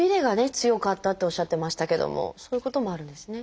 強かったっておっしゃってましたけどもそういうこともあるんですね。